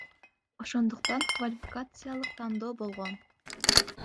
Ошондуктан квалификациялык тандоо болгон.